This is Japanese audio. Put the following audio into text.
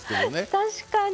確かに。